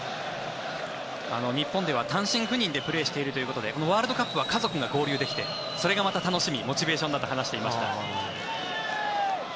日本では単身赴任でプレーをしているということでワールドカップは家族が合流できてそれがまた楽しみモチベーションだと話していました。